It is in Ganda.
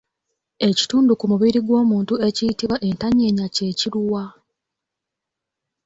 Ekitundu ku mubiri gw’omuntu ekiyitibwa ‘entanyeenya’ kye kiruwa?